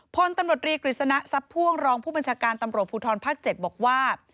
พลตำรวจรีกฤษณะทรัพย์พ่วงรองผู้บัญชาการตำรวจภูทรภาค๗บอกว่า